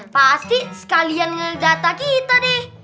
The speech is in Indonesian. pasti sekalian ngedata kita deh